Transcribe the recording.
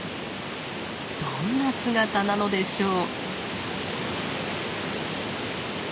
どんな姿なのでしょう？